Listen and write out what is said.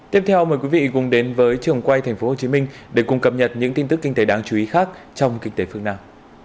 tiếp theo mời quý vị cùng đến với trường quay tp hcm để cùng cập nhật những tin tức kinh tế đáng chú ý khác trong kinh tế phương nam